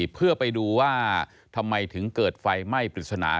เพื่อไปดูว่าทำไมถึงเกิดไฟไหม้ปริศนา